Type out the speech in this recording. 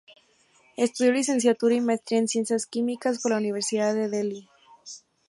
Estudió Licenciatura y Maestría en Ciencias Químicas por la Universidad de Delhi.